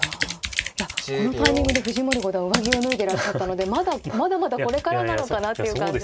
いやこのタイミングで藤森五段上着を脱いでらっしゃったのでまだまだまだこれからなのかなっていう感じが。